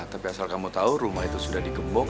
tapi asal kamu tau rumah itu sudah dikebok